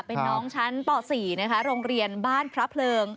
เป็นน้องชั้นป๔นะคะโรงเรียนบ้านพระเพลิง